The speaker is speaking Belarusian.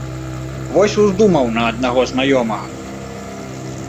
Вось уздумаў на аднаго знаёмага.